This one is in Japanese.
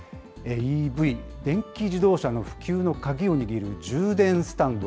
ＥＶ・電気自動車の普及の鍵を握る充電スタンド。